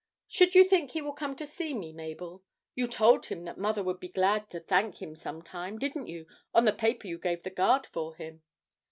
Should you think he will come to see me, Mabel; you told him that mother would be glad to thank him some time, didn't you, on the paper you gave the guard for him?'